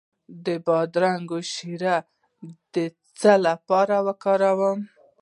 د بادرنګ شیره د څه لپاره وکاروم؟